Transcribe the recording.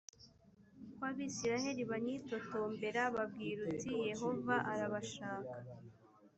kw abisirayeli banyitotombera babwire uti yehova arabashaka